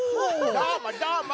どーもどーも！